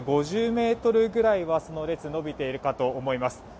大体５０ｍぐらいはその列、伸びているかと思います。